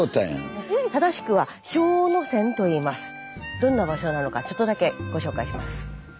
どんな場所なのかちょっとだけご紹介します。